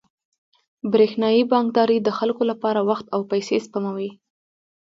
برېښنايي بانکداري د خلکو لپاره وخت او پیسې سپموي.